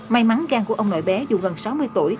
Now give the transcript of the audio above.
may mắn gan của ông nội bé dù gần sáu mươi tuổi